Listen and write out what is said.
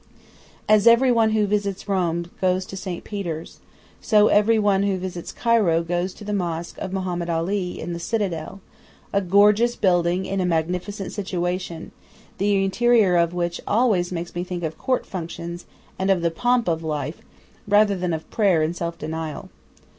As every one who visits Rome goes to St. Peter's, so every one who visits Cairo goes to the mosque of Mohammed Ali in the citadel, a gorgeous building in a magnificent situation, the interior of which always makes me think of Court functions, and of the pomp of life, rather than of prayer and self denial.